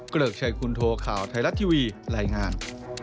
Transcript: เกริกชัยคุณโทข่าวไทยรัฐทีวีรายงาน